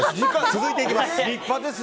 続いていきます。